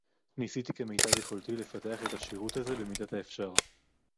ניסיתי כמיטב יכולתי לפתח את השירות הזה במידת האפשר